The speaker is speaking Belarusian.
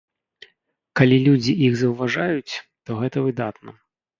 Калі людзі іх заўважаюць, то гэта выдатна.